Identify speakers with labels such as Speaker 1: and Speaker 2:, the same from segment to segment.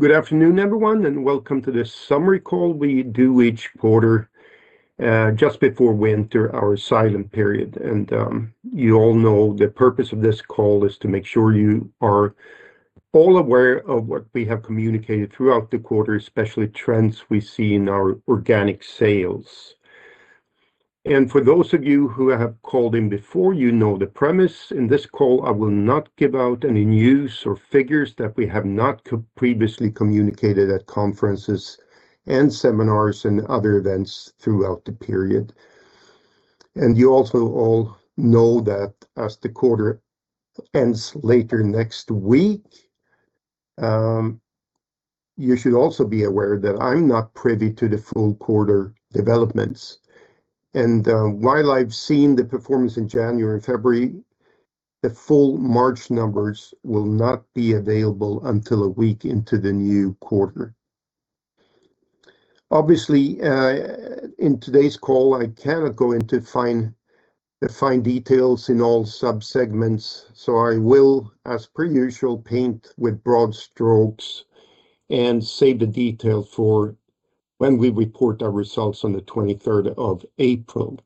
Speaker 1: Good afternoon, everyone, and welcome to this summary call we do each quarter, just before winter, our silent period. You all know the purpose of this call is to make sure you are all aware of what we have communicated throughout the quarter, especially trends we see in our organic sales. For those of you who have called in before, you know the premise. In this call, I will not give out any news or figures that we have not previously communicated at conferences and seminars and other events throughout the period. You also all know that as the quarter ends later next week, you should also be aware that I'm not privy to the full quarter developments, and while I've seen the performance in January and February, the full March numbers will not be available until a week into the new quarter. Obviously, in today's call, I cannot go into the fine details in all sub-segments, so I will, as per usual, paint with broad strokes and save the detail for when we report our results on the 23rd of April.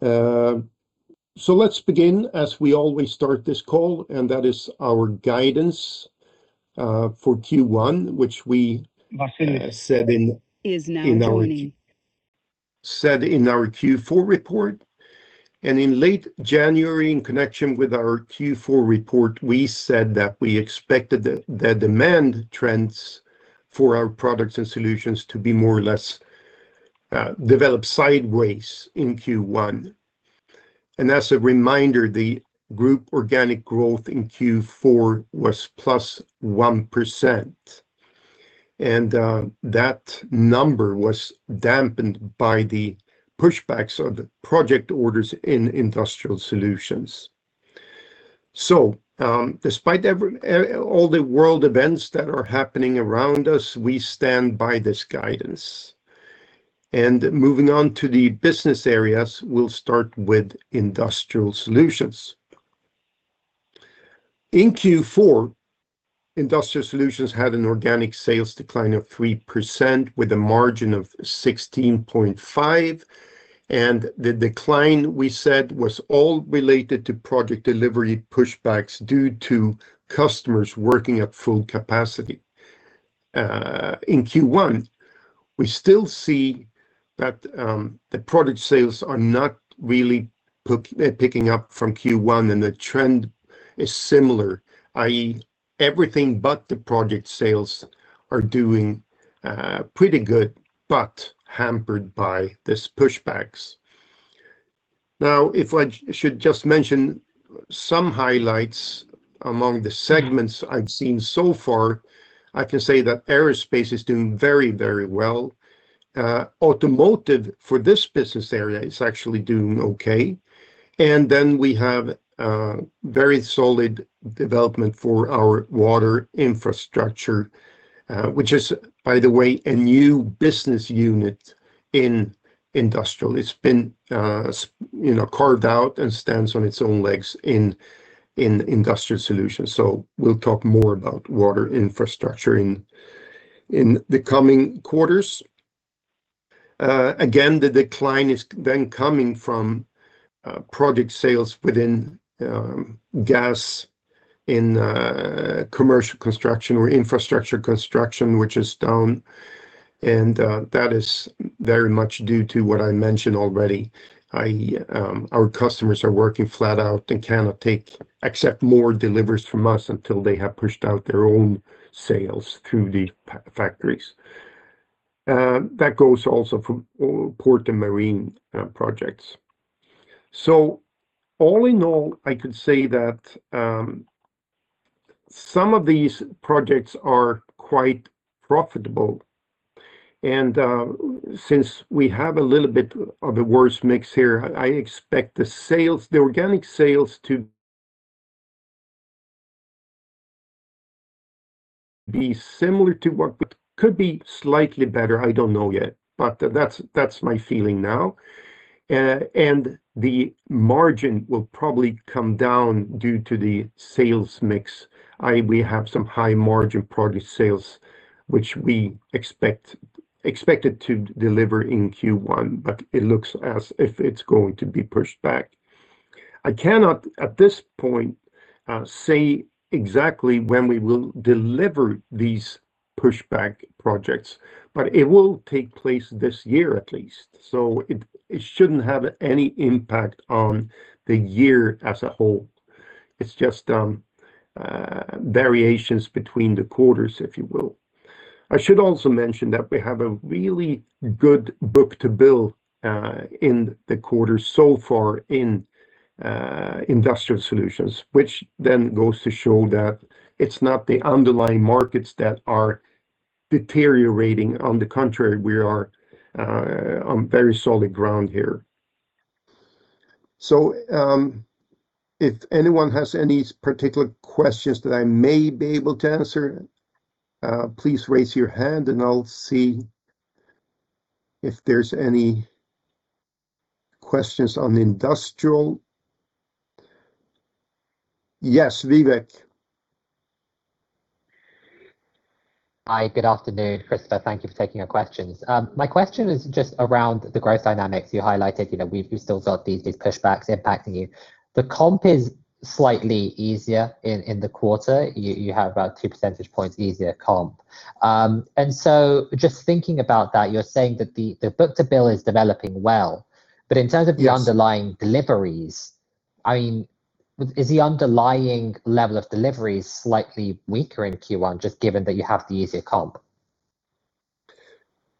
Speaker 1: Let's begin, as we always start this call, and that is our guidance for Q1, which we-
Speaker 2: Martin is-
Speaker 1: As we said in our Q4 report. In late January, in connection with our Q4 report, we said that we expected the demand trends for our products and solutions to be more or less developed sideways in Q1. As a reminder, the group organic growth in Q4 was +1%. That number was dampened by the pushbacks of the project orders in industrial solutions. Despite all the world events that are happening around us, we stand by this guidance. Moving on to the business areas, we'll start with industrial solutions. In Q4, industrial solutions had an organic sales decline of 3% with a margin of 16.5%, and the decline we said was all related to project delivery pushbacks due to customers working at full capacity. In Q1, we still see that the product sales are not really picking up from Q1, and the trend is similar, i.e., everything but the project sales are doing pretty good but hampered by this pushbacks. Now, if I should just mention some highlights among the segments I've seen so far, I can say that aerospace is doing very, very well. Automotive for this business area is actually doing okay. Then we have a very solid development for our water infrastructure, which is, by the way, a new business unit in Industrial. It's been you know, carved out and stands on its own legs in Industrial Solutions. We'll talk more about water infrastructure in the coming quarters. Again, the decline is then coming from project sales within gaskets in commercial construction or infrastructure construction, which is down, and that is very much due to what I mentioned already, i.e., our customers are working flat out and cannot take accept more deliveries from us until they have pushed out their own sales through the factories. That goes also for port and marine projects. All in all, I could say that some of these projects are quite profitable. Since we have a little bit of a worse mix here, I expect the sales, the organic sales to be similar to what could be slightly better, I don't know yet, but that's my feeling now. The margin will probably come down due to the sales mix, i.e., we have some high margin product sales which we expected to deliver in Q1, but it looks as if it's going to be pushed back. I cannot, at this point, say exactly when we will deliver these pushback projects, but it will take place this year at least. It shouldn't have any impact on the year as a whole. It's just variations between the quarters, if you will. I should also mention that we have a really good book-to-bill in the quarter so far in Industrial Solutions, which then goes to show that it's not the underlying markets that are deteriorating. On the contrary, we are on very solid ground here. If anyone has any particular questions that I may be able to answer, please raise your hand, and I'll see if there's any questions on Industrial? Yes, Vivek.
Speaker 2: Hi, good afternoon, Christofer. Thank you for taking our questions. My question is just around the growth dynamics you highlighted. You know, we've still got these pushbacks impacting you. The comp is slightly easier in the quarter. You have about 2 percentage points easier comp. And so just thinking about that, you're saying that the book-to-bill is developing well. In terms of-... the underlying deliveries, I mean, is the underlying level of deliveries slightly weaker in Q1 just given that you have the easier comp?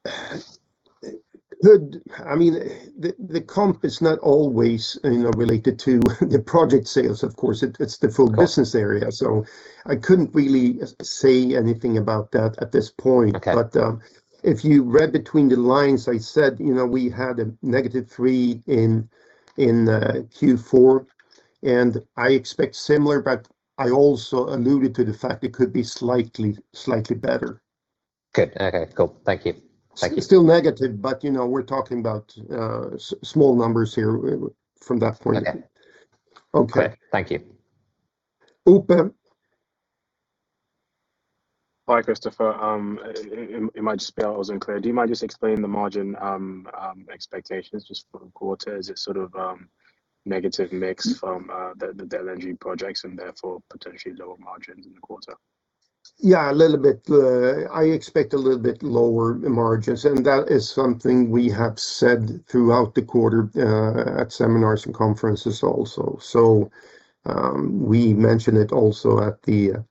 Speaker 1: I mean, the comp is not always, you know, related to the project sales, of course. It's the full business area. I couldn't really say anything about that at this point.
Speaker 2: Okay.
Speaker 1: If you read between the lines, I said, you know, we had a -3% in Q4, and I expect similar, but I also alluded to the fact it could be slightly better.
Speaker 2: Good. Okay, cool. Thank you. Thank you.
Speaker 1: Still negative, but you know, we're talking about small numbers here from that point of view.
Speaker 2: Okay.
Speaker 1: Okay.
Speaker 2: Great. Thank you.
Speaker 1: Upen.
Speaker 3: Hi, Christofer. It might just be I wasn't clear. Do you mind just explaining the margin expectations just for the quarter? Is it sort of negative mix from the energy projects and therefore potentially lower margins in the quarter?
Speaker 1: Yeah, a little bit. I expect a little bit lower margins, and that is something we have said throughout the quarter at seminars and conferences also. We mentioned it also at the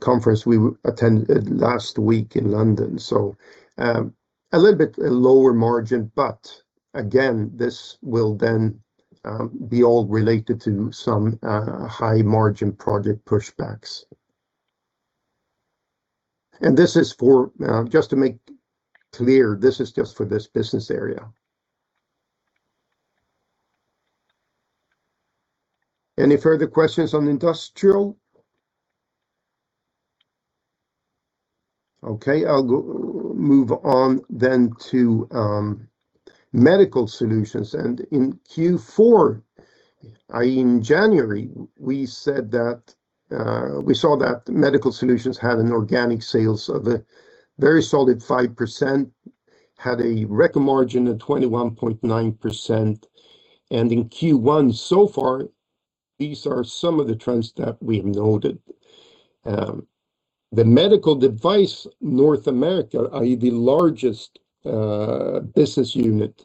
Speaker 1: conference we attended last week in London. A little bit lower margin, but again, this will then be all related to some high margin project pushbacks. This is for, just to make clear, this is just for this business area. Any further questions on industrial? Okay. I'll move on then to Medical Solutions. In Q4, i.e. in January, we said that we saw that Medical Solutions had an organic sales of a very solid 5%, had a record margin of 21.9%. In Q1 so far, these are some of the trends that we've noted. The Medical Device North America, i.e., the largest business unit,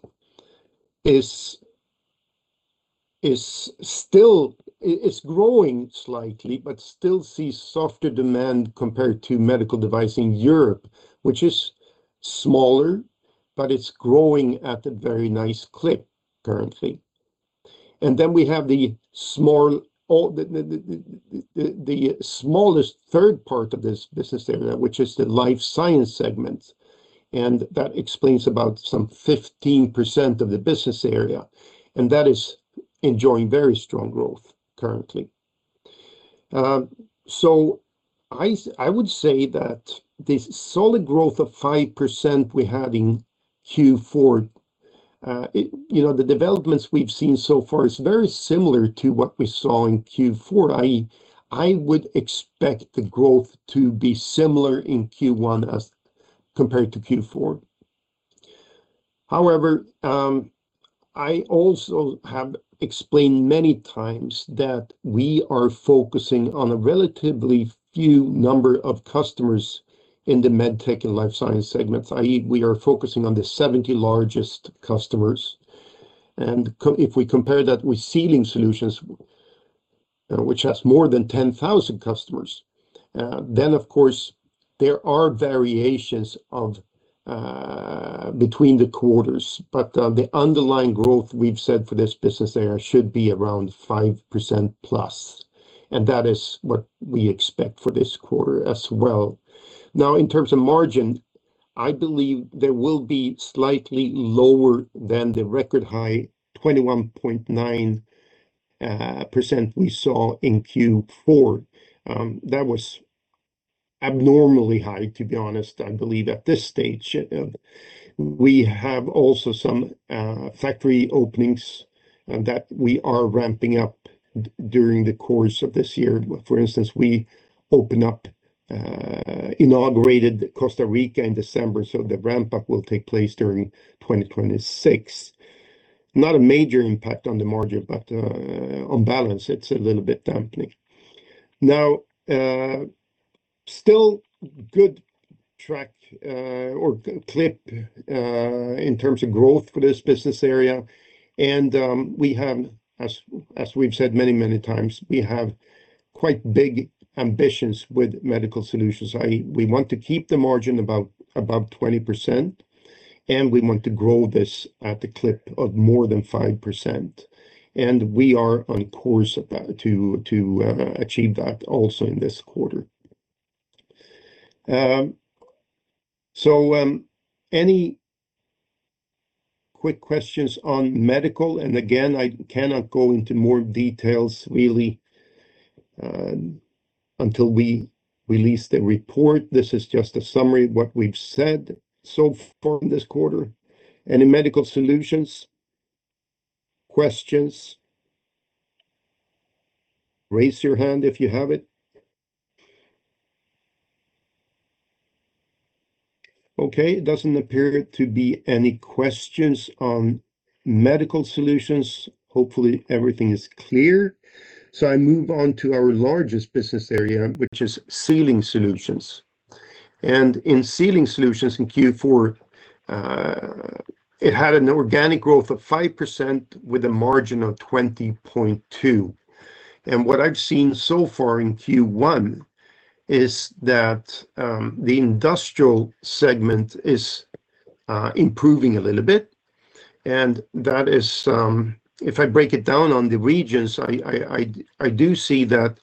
Speaker 1: is still growing slightly but still sees softer demand compared to Medical Device in Europe, which is smaller, but it's growing at a very nice clip currently. We have the small or the smallest third part of this business area, which is the Life Science segment, and that explains about some 15% of the business area, and that is enjoying very strong growth currently. I would say that this solid growth of 5% we had in Q4, you know, the developments we've seen so far is very similar to what we saw in Q4, i.e., I would expect the growth to be similar in Q1 as compared to Q4. However, I also have explained many times that we are focusing on a relatively few number of customers in the MedTech and Life Sciences segments, i.e. we are focusing on the 70 largest customers. If we compare that with Sealing Solutions, which has more than 10,000 customers, then of course there are variations of between the quarters. The underlying growth we've said for this business area should be around 5%+, and that is what we expect for this quarter as well. Now, in terms of margin, I believe there will be slightly lower than the record high 21.9% we saw in Q4. That was abnormally high, to be honest, I believe at this stage. We have also some factory openings that we are ramping up during the course of this year. For instance, we opened up, inaugurated Costa Rica in December, so the ramp-up will take place during 2026. Not a major impact on the margin, but on balance, it's a little bit dampening. Now, still good clip in terms of growth for this business area and we have, as we've said many, many times, we have quite big ambitions with Medical Solutions, i.e. we want to keep the margin about above 20%, and we want to grow this at the clip of more than 5%, and we are on course to achieve that also in this quarter. Any quick questions on Medical? Again, I cannot go into more details really. Until we release the report, this is just a summary of what we've said so far this quarter. Any medical solutions questions? Raise your hand if you have it. Okay. It doesn't appear to be any questions on medical solutions. Hopefully, everything is clear. I move on to our largest business area, which is Sealing Solutions. In Sealing Solutions in Q4, it had an organic growth of 5% with a margin of 20.2%. What I've seen so far in Q1 is that the industrial segment is improving a little bit. That is, if I break it down on the regions, I do see that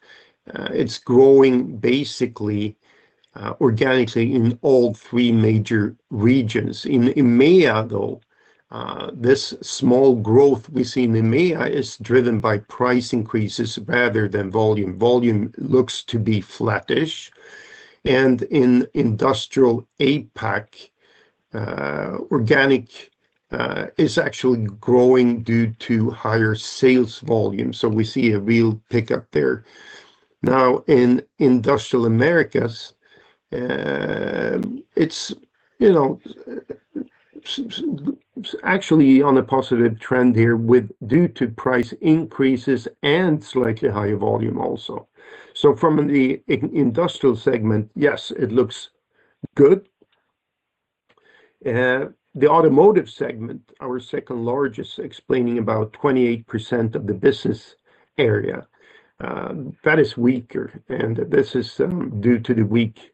Speaker 1: it's growing basically organically in all three major regions. In MEA, though, this small growth we see in MEA is driven by price increases rather than volume. Volume looks to be flattish. In Industrial APAC, organic is actually growing due to higher sales volume. We see a real pickup there. Now, in Industrial Americas, it's actually on a positive trend here due to price increases and slightly higher volume also. From the Industrial segment, yes, it looks good. The automotive segment, our second-largest, explaining about 28% of the business area, that is weaker. This is due to the weak,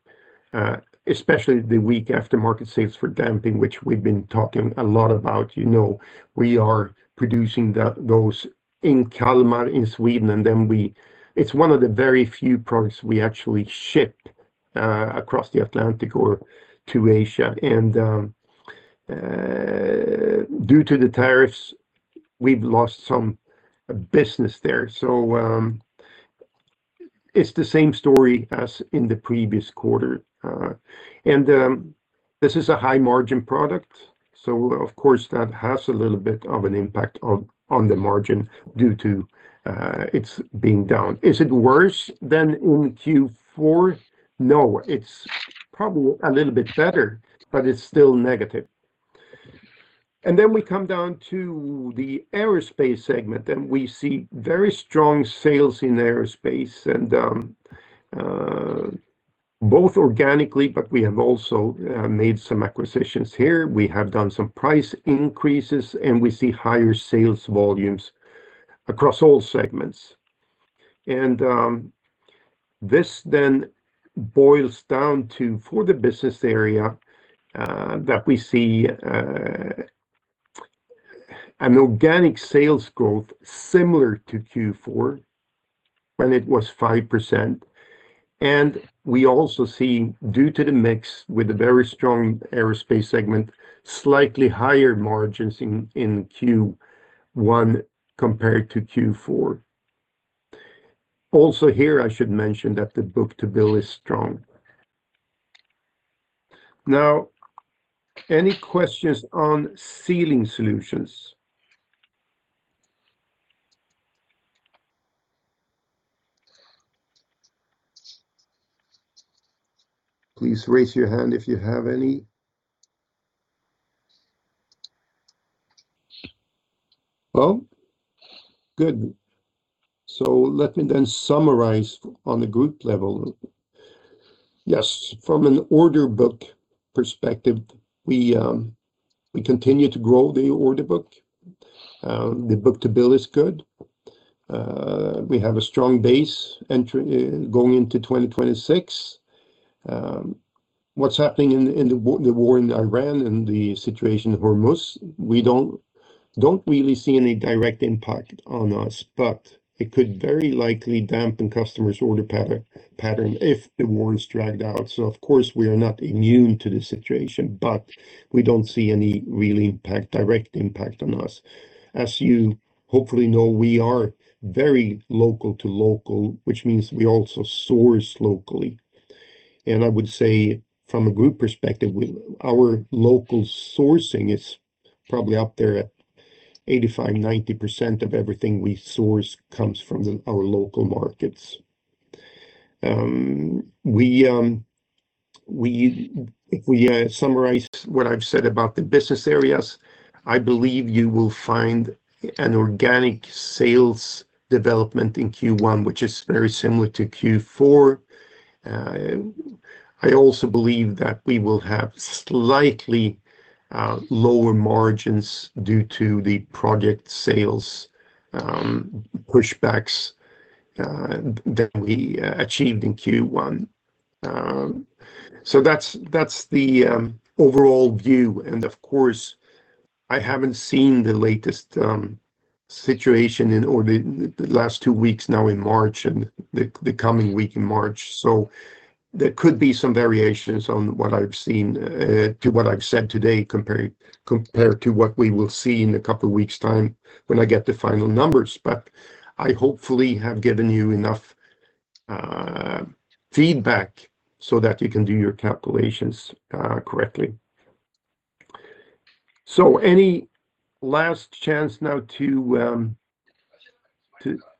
Speaker 1: especially the weak aftermarket sales for damping, which we've been talking a lot about. You know, we are producing those in Kalmar in Sweden. It's one of the very few products we actually ship across the Atlantic or to Asia. Due to the tariffs, we've lost some business there. It's the same story as in the previous quarter. This is a high-margin product, so of course, that has a little bit of an impact on the margin due to it's being down. Is it worse than in Q4? No. It's probably a little bit better, but it's still negative. Then we come down to the Aerospace segment, and we see very strong sales in Aerospace and both organically, but we have also made some acquisitions here. We have done some price increases, and we see higher sales volumes across all segments. This then boils down to, for the business area, that we see an organic sales growth similar to Q4 when it was 5%. We also see, due to the mix with the very strong aerospace segment, slightly higher margins in Q1 compared to Q4. Also here, I should mention that the book-to-bill is strong. Now, any questions on Sealing Solutions? Please raise your hand if you have any. No? Good. Let me then summarize on the group level. Yes, from an order book perspective, we continue to grow the order book. The book-to-bill is good. We have a strong basis entering 2026. What's happening in the war in Iran and the situation in the Strait of Hormuz, we don't really see any direct impact on us, but it could very likely dampen customers' order pattern if the war is dragged out. Of course, we are not immune to the situation, but we don't see any real impact, direct impact on us. As you hopefully know, we are very local for local, which means we also source locally. I would say from a group perspective, our local sourcing is probably up there at 85%-90% of everything we source comes from our local markets. If we summarize what I've said about the business areas, I believe you will find an organic sales development in Q1, which is very similar to Q4. I also believe that we will have slightly lower margins due to the project sales pushbacks than we achieved in Q1. That's the overall view. Of course, I haven't seen the latest situation or the last two weeks now in March and the coming week in March. There could be some variations on what I've seen to what I've said today compared to what we will see in a couple of weeks' time when I get the final numbers. I hopefully have given you enough feedback so that you can do your calculations correctly. Any last chance now to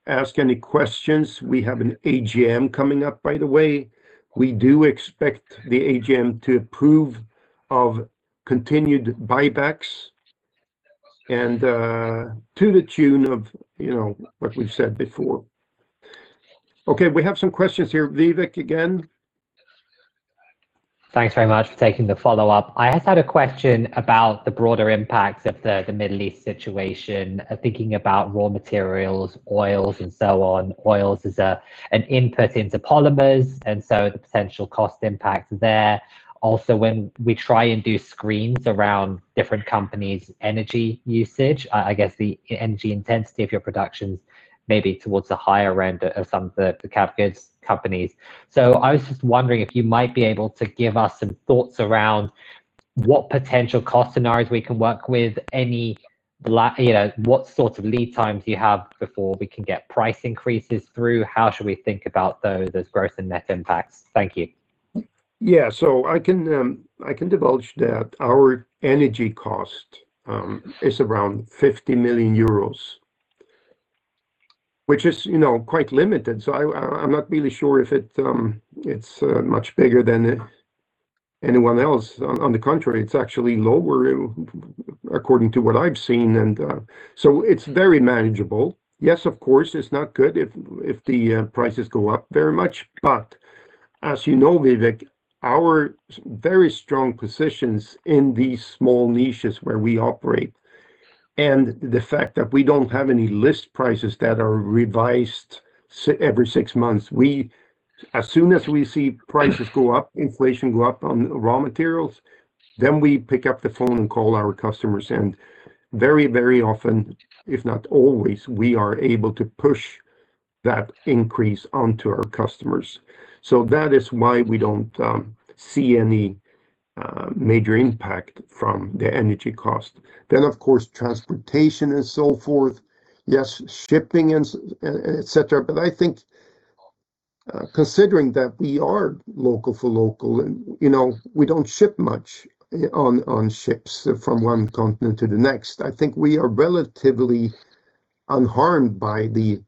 Speaker 1: ask any questions. We have an AGM coming up, by the way. We do expect the AGM to approve of continued buybacks and to the tune of, you know, what we've said before. Okay, we have some questions here. Vivek again.
Speaker 2: Thanks very much for taking the follow-up. I just had a question about the broader impacts of the Middle East situation, thinking about raw materials, oils, and so on. Oils is an input into polymers, and so the potential cost impact there. Also, when we try and do screens around different companies' energy usage, I guess the energy intensity of your productions may be towards the higher end of some of the capital goods companies. So I was just wondering if you might be able to give us some thoughts around what potential cost scenarios we can work with. You know, what sort of lead times you have before we can get price increases through. How should we think about those as gross and net impacts? Thank you.
Speaker 1: Yeah. I can divulge that our energy cost is around 50 million euros, which is, you know, quite limited. I'm not really sure if it's much bigger than anyone else. On the contrary, it's actually lower according to what I've seen and... It's very manageable. Yes, of course, it's not good if the prices go up very much. As you know, Vivek, our very strong positions in these small niches where we operate and the fact that we don't have any list prices that are revised every six months. As soon as we see prices go up, inflation go up on raw materials, then we pick up the phone and call our customers, and very, very often, if not always, we are able to push that increase onto our customers. That is why we don't see any major impact from the energy cost. Of course, transportation and so forth, yes, shipping and etc. I think, considering that we are local for local and, you know, we don't ship much on ships from one continent to the next, I think we are relatively unharmed by the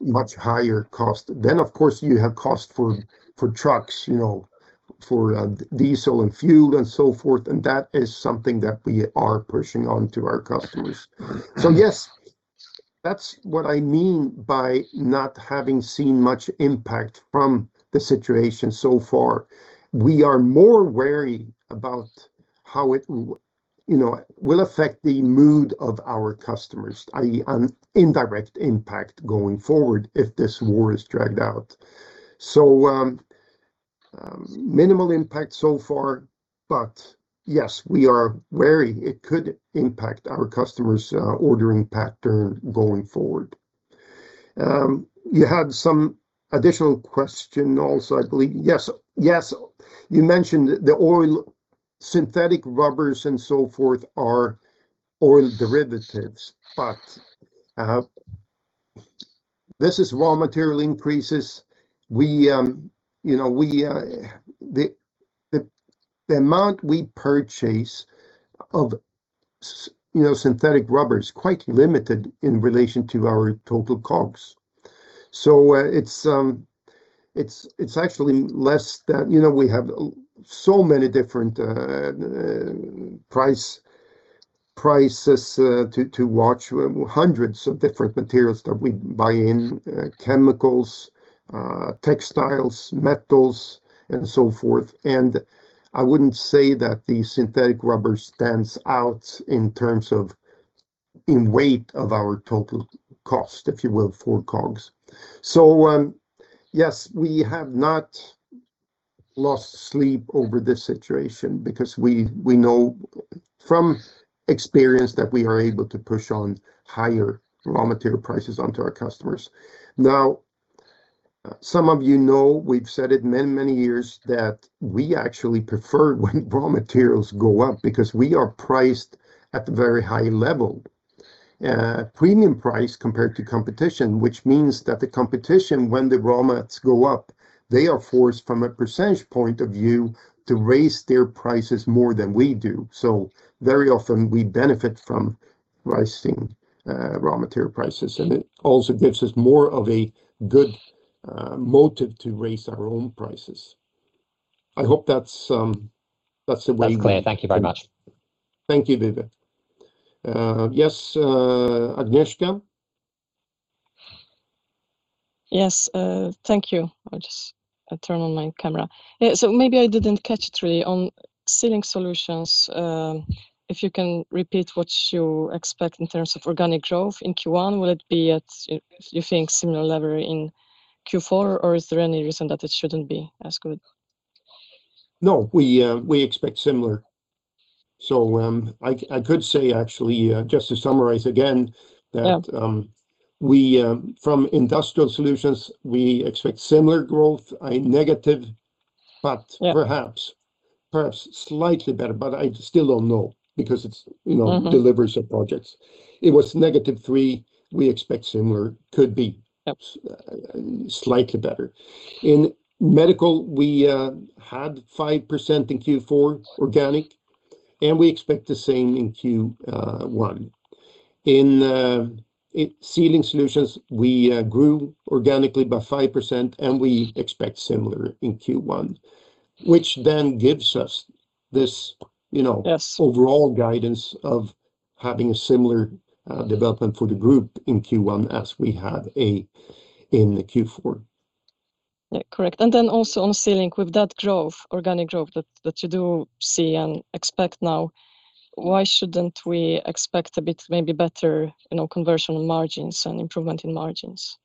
Speaker 1: much higher cost. Of course, you have cost for trucks, you know, for diesel and fuel and so forth, and that is something that we are pushing on to our customers. Yes, that's what I mean by not having seen much impact from the situation so far. We are more wary about how it, you know, will affect the mood of our customers, i.e. an indirect impact going forward if this war is dragged out. Minimal impact so far. Yes, we are wary it could impact our customers' ordering pattern going forward. You had some additional question also, I believe. Yes. You mentioned the oil, synthetic rubbers and so forth are oil derivatives, but this is raw material increases. We, you know, we, the amount we purchase of synthetic rubber is quite limited in relation to our total COGS. So, it's actually less than you know, we have so many different prices to watch, hundreds of different materials that we buy in, chemicals, textiles, metals, and so forth. I wouldn't say that the synthetic rubber stands out in terms of in weight of our total cost, if you will, for COGS. Yes, we have not lost sleep over this situation because we know from experience that we are able to push on higher raw material prices onto our customers. Now, some of you know, we've said it many, many years, that we actually prefer when raw materials go up because we are priced at a very high level, premium price compared to competition, which means that the competition, when the raw materials go up, they are forced from a percentage point of view to raise their prices more than we do. Very often we benefit from rising raw material prices, and it also gives us more of a good motive to raise our own prices. I hope that's a way-
Speaker 2: That's clear. Thank you very much.
Speaker 1: Thank you, Vivek. Yes, Agnieszka?
Speaker 4: Yes. Thank you. I'll just turn on my camera. Yeah. Maybe I didn't catch it really. On Sealing Solutions, if you can repeat what you expect in terms of organic growth in Q1. Will it be at, you think, similar level in Q4, or is there any reason that it shouldn't be as good?
Speaker 1: No, we expect similar. I could say actually, just to summarize again.
Speaker 4: Yeah...
Speaker 1: from Industrial Solutions, we expect similar growth, a negative-
Speaker 4: Yeah
Speaker 1: Perhaps slightly better, but I still don't know because it's, you know.
Speaker 4: Mm-hmm
Speaker 1: deliveries of projects. It was -3%, we expect similar.
Speaker 4: Yep
Speaker 1: Slightly better. In Medical, we had 5% in Q4 organic, and we expect the same in Q1. In Sealing Solutions, we grew organically by 5%, and we expect similar in Q1, which then gives us this, you know.
Speaker 4: Yes
Speaker 1: overall guidance of having a similar development for the group in Q1 as we had in Q4.
Speaker 4: Yeah, correct. Then also on Sealing, with that growth, organic growth that you do see and expect now, why shouldn't we expect a bit, maybe better, you know, conversion margins and improvement in margins?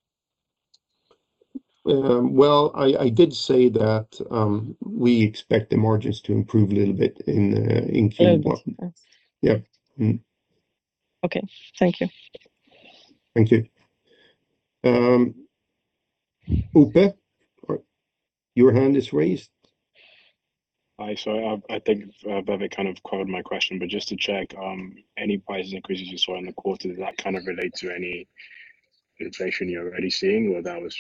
Speaker 1: Well, I did say that we expect the margins to improve a little bit in Q1.
Speaker 4: Yes.
Speaker 1: Yeah. Mm.
Speaker 4: Okay. Thank you.
Speaker 1: Thank you. Uwe, your hand is raised.
Speaker 3: Hi. I think Vivek kind of covered my question, but just to check, any price increases you saw in the quarter, did that kind of relate to any inflation you're already seeing, or that was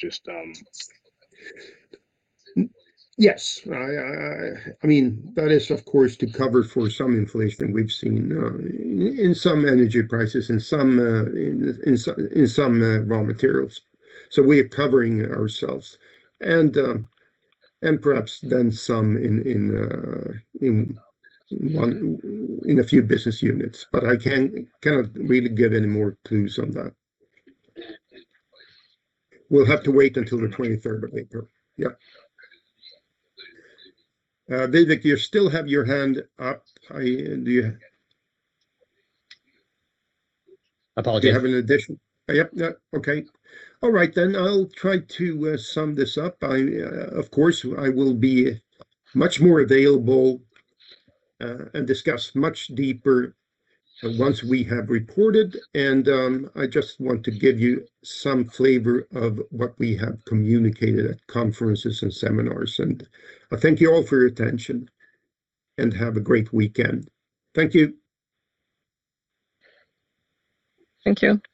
Speaker 3: just
Speaker 1: Yes. I mean, that is of course to cover for some inflation we've seen in some energy prices and some in raw materials. We're covering ourselves and perhaps then some in a few business units, but I cannot really give any more clues on that. We'll have to wait until the 23rd of April. Yeah. Vivek, you still have your hand up. Do you-
Speaker 2: Apologies.
Speaker 1: Do you have an addition? Yep, no. Okay. All right then, I'll try to sum this up. I, of course, will be much more available and discuss much deeper once we have reported. I just want to give you some flavor of what we have communicated at conferences and seminars, and I thank you all for your attention, and have a great weekend. Thank you.
Speaker 4: Thank you.
Speaker 5: Thank you.